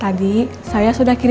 tadi saya sudah kirimkan